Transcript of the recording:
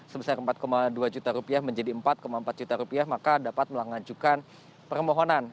sebesar empat dua juta rupiah menjadi empat empat juta rupiah maka dapat melangajukan permohonan